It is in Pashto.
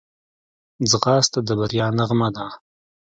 ځغاسته د بریا نغمه ده